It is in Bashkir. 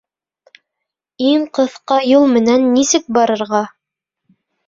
Иң ҡыҫҡа юл менән нисек барырға?